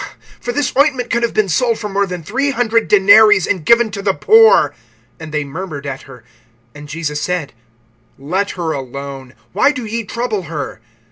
(5)For this ointment could have been sold for more than three hundred denaries, and given to the poor. And they murmured at her. (6)And Jesus said: Let her alone; why do ye trouble her?